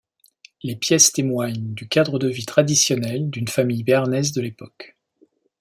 Les pièces témoignent du cadre de vie traditionnel d'une famille béarnaise de l'époque.